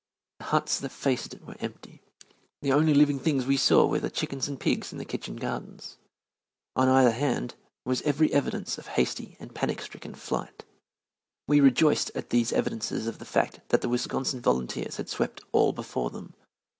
The huts that faced it were empty. The only living things we saw were the chickens and pigs in the kitchen gardens. On either hand was every evidence of hasty and panic stricken flight. We rejoiced at these evidences of the fact that the Wisconsin Volunteers had swept all before them.